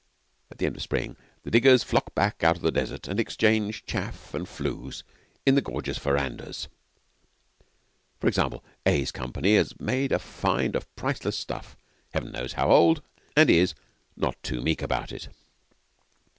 At the end of spring the diggers flock back out of the Desert and exchange chaff and flews in the gorgeous verandahs. For example, A's company has made a find of priceless stuff, Heaven knows how old, and is not too meek about it.